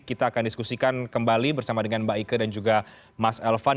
kita akan diskusikan kembali bersama dengan mbak ike dan juga mas elvan